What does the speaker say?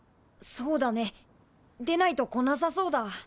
そうだねでないと来なさそうだ。